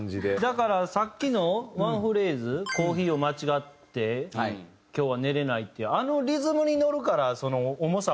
だからさっきのワンフレーズ「コーヒーを間違って今日は寝れない」っていうあのリズムに乗るから重さを感じない。